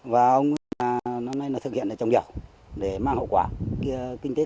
và ông nguyễn văn định là năm nay là thực hiện trồng dẻo để mang hậu quả kinh tế cao